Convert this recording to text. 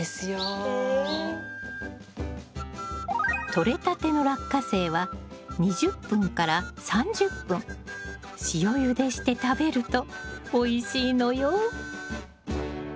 とれたてのラッカセイは２０分から３０分塩ゆでして食べるとおいしいのよ。